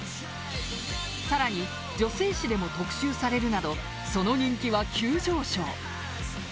更に女性誌でも特集されるなどその人気は急上昇。